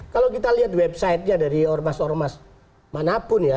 kalau kita lihat websitenya dari ormas ormas manapun ya